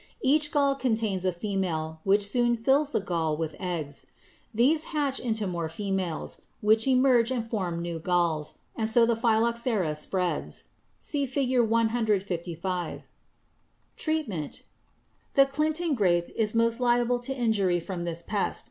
Each gall contains a female, which soon fills the gall with eggs. These hatch into more females, which emerge and form new galls, and so the phylloxera spreads (see Fig. 155). Treatment. The Clinton grape is most liable to injury from this pest.